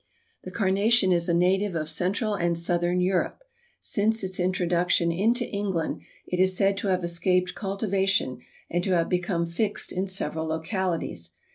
The Carnation is a native of Central and Southern Europe. Since its introduction into England it is said to have escaped cultivation and to have become fixed in several localities.